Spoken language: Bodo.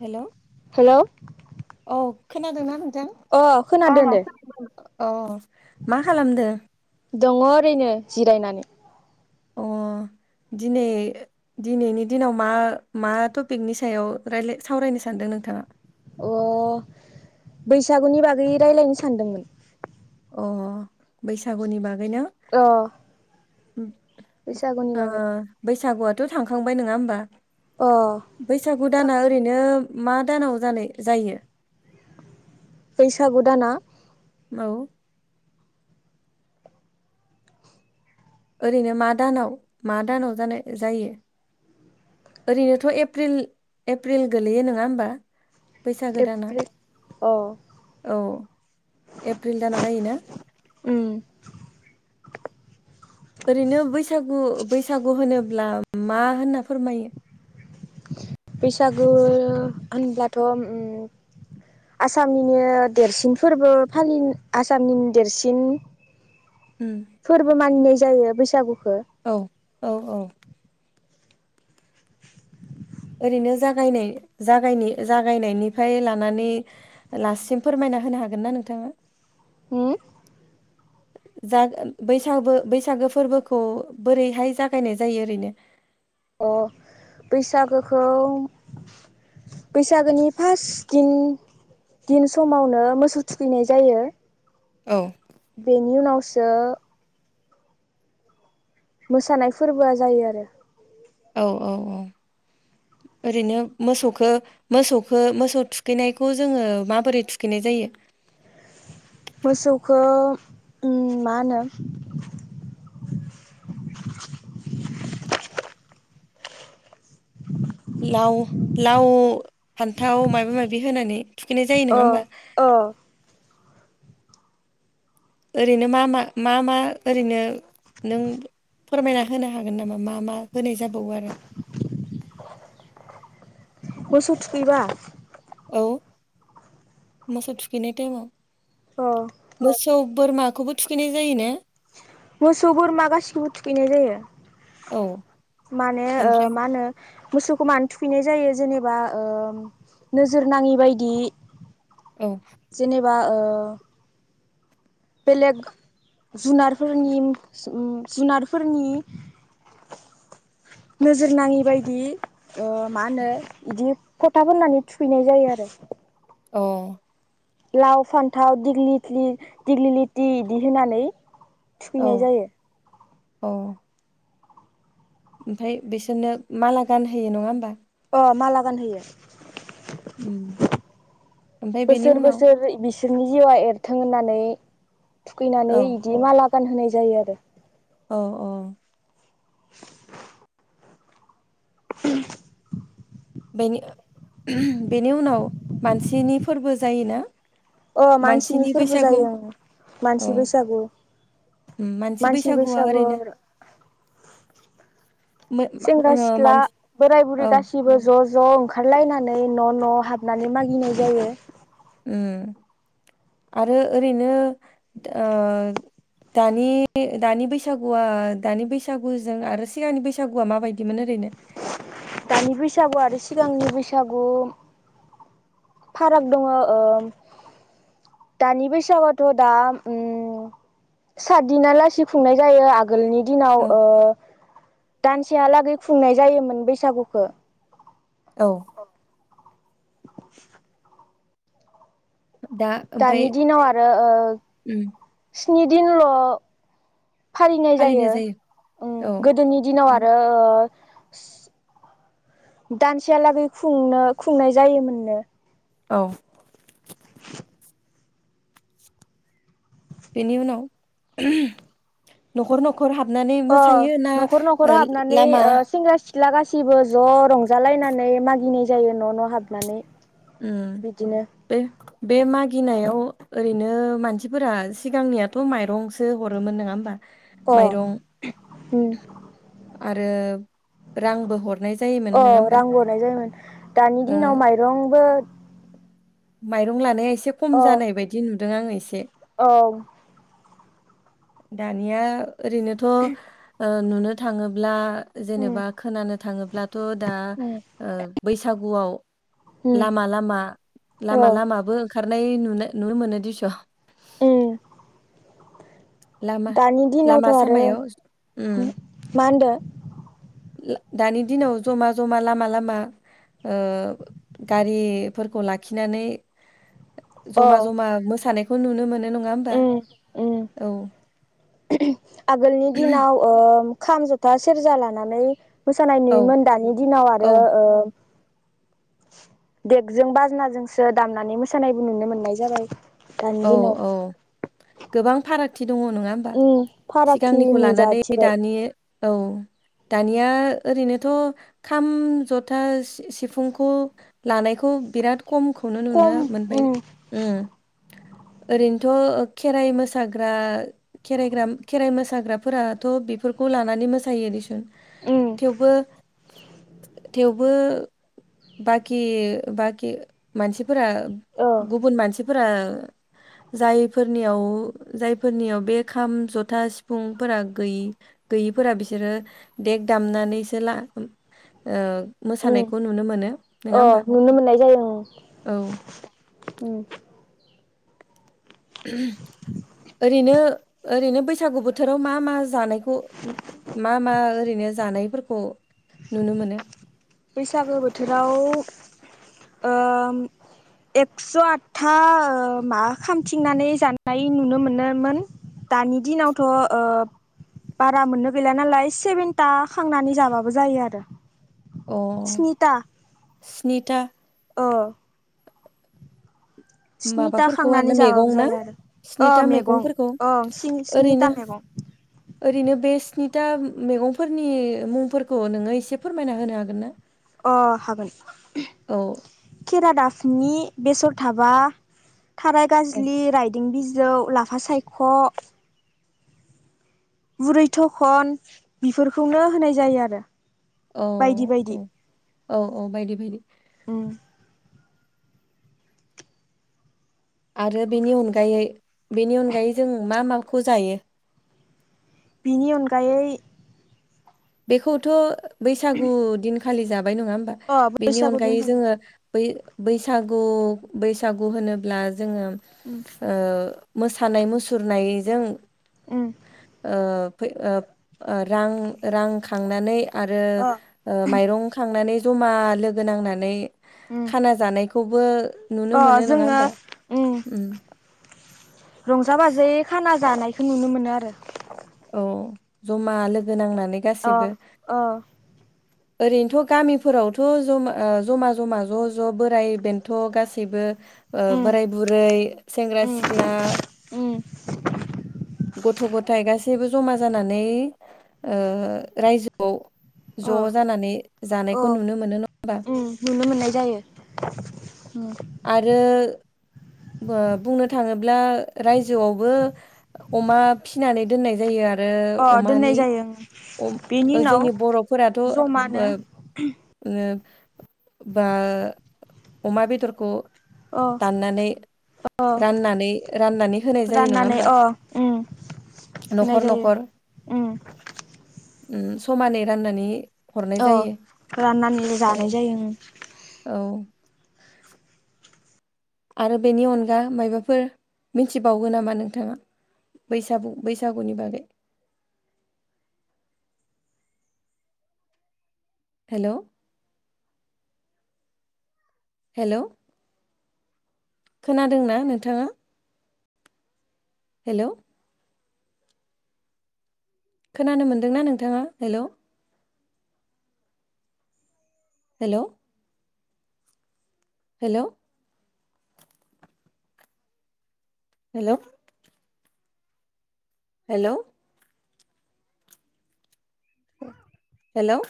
हेल' हेलौ औ खोनादों ना नों अ खोनादों अ दे अ मा खालामदों दङ ओरैनो जिरायनानै अ दिनै दिनैनि दिनाव मा मा टपिकनि सायाव राय सावरायनो सानदों नों नोंथाङा अ बैसागुनि बागै रायज्लायनो सानदोंमोन अ बैसागुनि बागै औ बैसागुआथ' थांखांबाय नङा होमबा अ बैसागु दाना थांखांबाय ओरैनो मा दानाव जानाय जायो बैसागु दाना औ ओरैनो मा दानाव मा दानाव जानाय जायो ओरैनोथ' एप्रिल एप्रिल गोलैयो नङा होमबा बैसागो दाना एप्रिल अ औ एप्रिल दानाव जायोना [inaudible] ओरैनो बैसागु बैसागु होनोब्ला मा होनना फोरमायो बैसागु होनब्लाथ'। आसामनिनो देरसिन फोरबो फालि आसामनिनो देरसिन उम फोरबो मानिनाय जायो बैसागु। औ औ औ। ओरैनो जागायनाय ज जागायनायनिफ्राय लानानै लासिम फोरमाय ना होनो हागोन ना नोंथाङा। होम। [inaudible] जा बैसागो बैसागो फोरबोखौ बोरैहाय जागायनाय जायो ओरैनो। अह बैसागोखौ बैसागोनि फार्स्ट दिन दिन समावनो मोसौ थुखैनाय जायो। औ। बेनि उनावसो। मोसानाय फोरबोआ जायो आरो औ औ औ ओरैनो मोसौ। खौ मोसौखौ मोसौ थुखैनायखौ जोङो माबोरै थुखैनाय जायो। [inaudible] मोसौखौ मा होनो। लाव लाव फान्थाव माबा माबि होनानै। थुखैनाय जायो नङा होमबा। अ अ ओरैनो मा मा मा मा ओरैनो नों फोरमायना होनो हागोन नामा मा मा होनाय जाबावो आरो। मोसौ थुखैबा औ मोसौ थुखैनाय टाइमाव अ मोसौ बोरमाखौबो थुखैनाय जायोना। मोसौ बोरमा गासिबो थुखैनाय जायो। औ माने ओ ओमफ्राय मा होनो। मोसौखौ मानो थुखैनाय जायो जेनेबा ओ नोजोर नाङि बायदि। औ जेनेबा बेलेग जुनारफोरनि जुनारफोरनि [inaudible] नोजोर नाङि बायदि ओ मा होनो बिदि फोथा फोननानै थुखैनाय जायो। आरो अह लाव फान्थाव दिग्लि दिग्लि लिथि इदि होनानै। थुखैनाय जायो। अह ओमफ्राय बिसोरनो माला गानहोयो नङा होमबा? अह माला गानहोयो उम ओमफ्राय बेनि बोसोर उनाव बोसोर बि जोंनि जिउआ एरथों होननानै थुखैनानै औ बिदि माला गानहोनाय जायो आरो अह अह। [inaudible] उम बेनि बेनि उनाव मानसिनि फोरबो जायोना? ओ मानसिनि फोरबो जायो ओं औ मानसि बैसागु। मानसि बैसागुवा ओरैनो मो मा सेंग्रा ओ सिख्ला मानसि बोराय बुरि औ गासिबो ज' ज ज' ओंखारलायनानै न' न' हाबनानै मागिनाय जायो। ओम आरो ओरैनो ओ दानि दानि बैसागुवा दानि बैसागुजों आरो सिगांनि बैसागुवा माबायदिमोन ओरैनो [inaudible] दानि बैसागु आरो सिगांनि बैसागु फाराग दङो ओ दानि बैसागुवाथ' दा ओम सातदिनाआ लासि खुंनाय जायो आग आगोलनि दिनाव औ ओ दानसेहालागै खुंनाय जायोमोन बैसागुखौ औ [inaudible] दा ओमफाय दानि दिनाव आरो ओ उम स्नि दिनल' फालिनाय जायो औ गोदोनि उम दिनाव आरो ओ दानसेयालागै खुंनो खुंनाय जायोमोननो औ बेनि उनाव न'खर न खर हाबनानै अ मोसायो ना लामा थ्ला गासैबो ज' रंजालायनानै मागिनाय जायो न' न' हाबनानै उम बिदिनो बे बे मागिनायाव ओरैनो मानसिफोरा सिगांनियाथ' माइरंसो हरोमोन नङा होमबा अ माइरं उम आरो रांबो हर अ रां हरनाय जायोमोन दानि दिनाव माइरंबो माइरं लानाया एसे खम अ जानाय बायदि नुदों आङो एसे औ दानिया ओरैनोथ' ओ नुनो थाङोब्ला उम जेनेबा खोनानो थाङोब्लाथ' दा उम ओ बैसागुआव उम लामा लामा लामा औ लामाबो ओंखारनाय नुनो नुनो मोनो दिस उम लामा दानि दिनावथ' लामा आरो सामायाव उम मा होनदो दानि दिनाव जमा जमा लामा लामा ओ गारिफोरखौ लाखिनानै अ जमा जमा मोसानायखौ नुनो मोनो नङा होमबा उम उम औ आगोलनि दिनाव ओ खाम जथा सेरजा लानानै मोसानाय औ नुयोमोन दानि दिनाव आरो औ ओ देगजों बाजनाजोंसो दामनानै मोसानायबो नुनो मोननाय जाबाय दानि औ दिनाव औ गोबां फारागथि दङ नङा होमबा उम फारागथि सिगांनिखौ लानानै नुजाथिबाय दानि औ दानिया ओरैनोथ' खाम जथा सि सिफुंखौ लानायखौ बिराद खम खौनो नुनो खम मोनबाय उम उम ओरैनोथ' खेराइ मोसाग्रा खेरायग्रा खेराइ मोसाग्राफोराथ' बेफोर खौ लानानै मोसायो दिसुन उम थेवबो थेवबो बाखि बाखि मानसि फोरा ओ गुबुन मानसिफोरा जायफोरनियाव जायफोरनियाव बे खाम जथा सिफुंफोरा गै गै गैयिफोरा बिसोरो देग दामनानैसो ला ओ उम मोसानायखौ नुनो मोनो नङा अ होमबा नुनो मोननाय जायो उम औ उम [unintelligible] ओरैनो ओरैनो बैसागु बोथोराव मा मा जानायखौ मा मा ओरैनो जानायफोरखौ नुनो मोनो बैसागो बोथोराव ओम एक्स' आठथा मा खांथिंनानै जानाय नुनो मोनोमोन दानि दिनावथ' ओ बारा मोननो गैला नालाय सेभेनथा खांनानै जाबाबो जायो आरो अ स्निथा स्निथा अ माबाफोरखौ खांनानै आरोना जाबाबो मैगं ना जायो आरो ओ स्निथा मैगं मैगंफोरखौ ओं स्निथा ओरैनो मैगं ओरैनो बे स्निथा मैगंफोरनि मुंफोरखौ नोंङो एसे फोरमायना होनो हागोन ना अ हागोन औ केरादाफिनि बेसर थाबा थाराय औ गाजलि राइद बारदिं बिजौ लाफा सायख' बुरै थखन बेफोरखौनो होनाय जायो आरो औ बायदि बायदि । औ- औ बायदि बायदि उम आरो बेनि अनगायै बेनि अनगायै जों मा माखौ जायो । बेनि अनगायै बेखौथ' बैसागु दिनखालि जाबाय नंङा होमबा अ बेनि बैसागु अनगायै दिनखालि जोंङो ब बैसागु बैसागु होनोब्ला जोंङो मोसानाय मुसुरनायजों उम रां रां खांनानै आरो अ माइरं खांनानै जमा लोगो नांनानै खाना जानायखौबो नुनो अ मोनो नंङा जोङो होमबा उम रंजा - बाजाय खाना जानायखौ नुनो मोनो आरो ओ जमा लोगो नांनानै अ गासिबो अ ओरैनोथ' गामिफोरावथ' जमा जमा जमा ज' ज' बोराइ बेन्थ' गासैबो उम बोराय बुरै सेंग्रा उम सिख्ला [unintelligible] गथ' गथायाइ गासैबो जमा जानानै रायजोआव अ ज' जानानै अ जानायखौ नुनो मोनो नंङा होमबा उम नुनो मोननाय जायो उम आरो बुंनो थांङोब्ला रायजोआवबो अमा फिनानै दोननाय जायो आरो अ आरो दोननाय अमानि जायो ओं बेनि उनाव जोंनि बर'फोराथ' जमानो बा अमा बेदरखौ अ दाननानै अ राननानै राननानै होनाय जायो नंङा राननानै होमबा अ उम न'खर होनाय न'खर जायो । उम समानै राननानै हरनाय अ जायो राननानै जानाय औ जायो उम - औ आरो बेनि अनगा मायबाफोर मिथिबावगो नामा नोंथांङा बैसागु बैसागुनि बागै हेलौ हेलौ खोनादोंना नोंथांङा हेलौ खोनानो मोनदोंना नोंथांङा hello hello hello hello hello hello